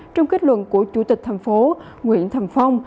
trong kết luận của chủ tịch tp hcm nguyễn thầm phong